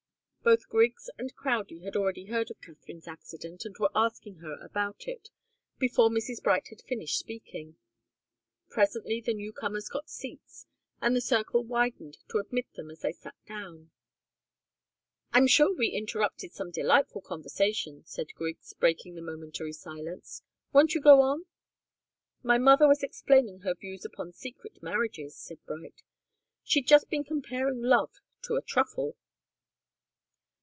Both Griggs and Crowdie had already heard of Katharine's accident and were asking her about it, before Mrs. Bright had finished speaking. Presently the new comers got seats, and the circle widened to admit them as they sat down. "I'm sure we interrupted some delightful conversation," said Griggs, breaking the momentary silence. "Won't you go on?" "My mother was explaining her views upon secret marriages," said Bright. "She'd just been comparing love to a truffle."